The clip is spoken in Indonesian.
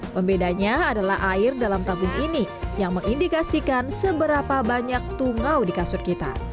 pembedanya adalah air dalam tabung ini yang mengindikasikan seberapa banyak tungau di kasur kita